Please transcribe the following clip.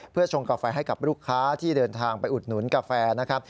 เพื่อชงกาแฟให้กับลูกค้าที่เดินทางไปอุดหนุนกาแฟนะครับ